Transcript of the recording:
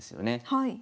はい。